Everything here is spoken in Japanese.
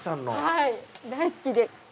はい大好きで。